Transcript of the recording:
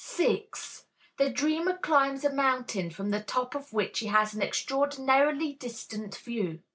6. The dreamer "climbs a mountain from the top of which he has an extraordinarily distant view."